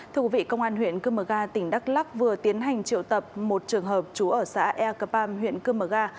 thưa quý vị công an huyện cơm mở ga tỉnh đắk lắc vừa tiến hành triệu tập một trường hợp trú ở xã el capam huyện cơm mở ga